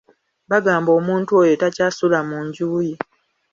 Bagamba omuntu oyo takyasula mu nju ye.